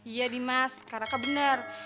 iya dimas karaka bener